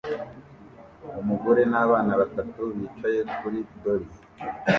Umugore nabana batatu bicaye kuri dolly